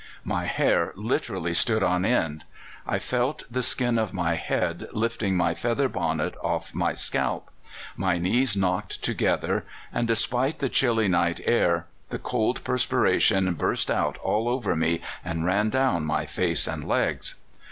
"My hair literally stood on end. I felt the skin of my head lifting my feather bonnet off my scalp. My knees knocked together, and, despite the chilly night air, the cold perspiration burst out all over me and ran down my face and legs.